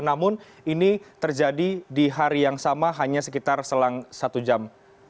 namun ini terjadi di hari yang sama hanya sekitar selang satu jam